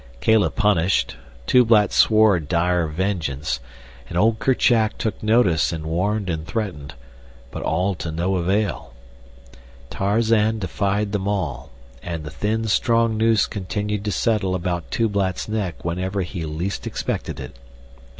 Kala punished, Tublat swore dire vengeance, and old Kerchak took notice and warned and threatened; but all to no avail. Tarzan defied them all, and the thin, strong noose continued to settle about Tublat's neck whenever he least expected it.